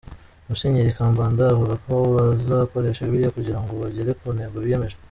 Musenyeri Kambanda avuga ko bazakoresha Bibiliya kugira ngo bagere ku ntego biyemeje.